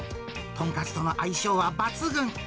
とんかつとの相性は抜群。